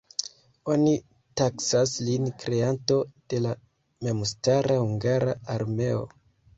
Oni taksas lin kreanto de la memstara hungara armeo.